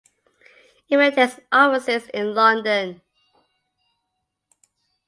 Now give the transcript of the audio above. It maintains offices in London.